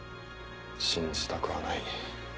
信じたくはない。